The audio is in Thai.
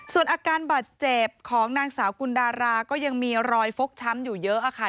ส่วนอาการบาดเจ็บของนางสาวกุลดาราก็ยังมีรอยฟกช้ำอยู่เยอะค่ะ